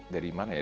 dari mana ya